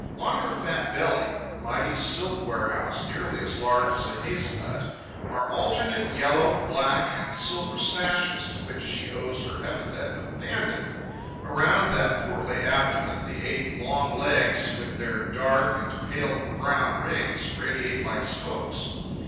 On her fat belly, a mighty silk warehouse nearly as large as a hazel nut, are alternate yellow, black and silver sashes, to which she owes her epithet of Banded. Around that portly abdomen, the eight long legs, with their dark and pale brown rings, radiate like spokes.